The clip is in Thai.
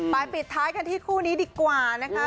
ปิดท้ายกันที่คู่นี้ดีกว่านะคะ